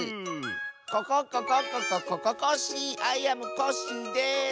ココッココッコココココッシーアイアムコッシーです！